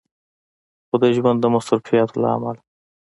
خو د ژوند د مصروفياتو له عمله